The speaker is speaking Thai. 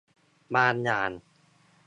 บางอย่าง